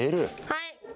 はい。